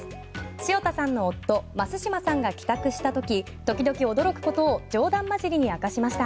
潮田さんの夫・増嶋さんが帰宅した時時々驚くことを冗談交じりに明かしました。